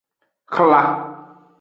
Hla.